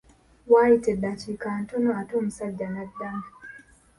Waayita eddakiika ntono ate omusajja n’addamu.